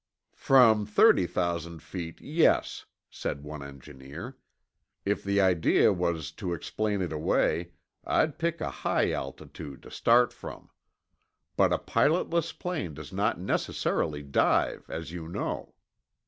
"From thirty thousand feet, yes," said one engineer. "If the idea was to explain it away, I'd pick a high altitude to start from. But a pilotless plane doesn't necessarily dive, as you know.